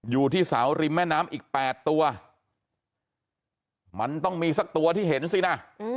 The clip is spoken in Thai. อยู่ที่เสาริมแม่น้ำอีก๘ตัวมันต้องมีสักตัวที่เห็นสินะ